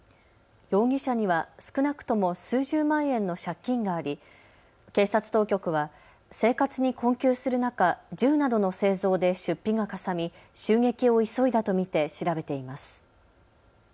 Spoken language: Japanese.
容疑者には少なくとも数十万円の借金があり、警察当局は生活に困窮する中、銃などの製造で出費がかさみ襲撃を急いだと見て調べています。